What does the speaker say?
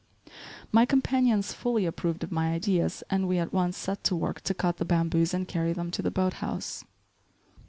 My companions fully approved of my ideas and we at once set to work to cut the bamboos and carry them to the boat house.